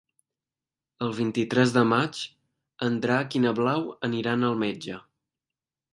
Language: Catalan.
El vint-i-tres de maig en Drac i na Blau aniran al metge.